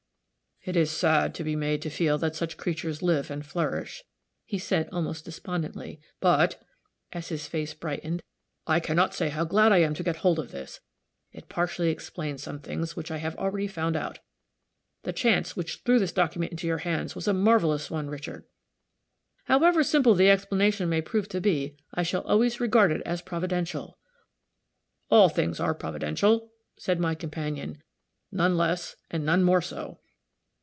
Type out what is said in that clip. "It is sad to be made to feel that such creatures live and flourish," he said, almost despondingly; "but," as his face brightened, "I can not say how glad I am to get hold of this. It partially explains some things which I have already found out. The chance which threw this document into your hands was a marvelous one, Richard." "However simple the explanation may prove to be, I shall always regard it as Providential." "All things are Providential," said my companion, "none less, and none more so.